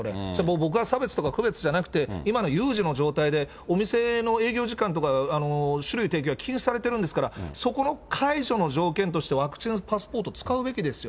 僕は差別とか区別じゃなくて、今の有事の状態で、お店の営業時間とか、酒類提供が禁止されてるんですから、そこの解除の条件として、ワクチンパスポート使うべきですよ。